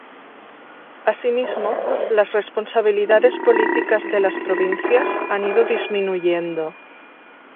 Asimismo, las responsabilidades políticas de las provincias han ido disminuyendo.